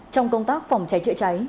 trong công tác phòng cháy trợ cháy